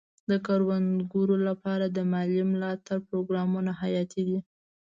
د کروندګرو لپاره د مالي ملاتړ پروګرامونه حیاتي دي.